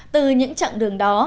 từ những chặng đường đó